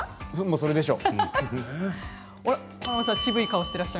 それでしょう。